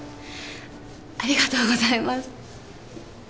ありがとうございます。